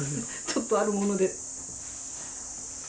ちょっとあるもので。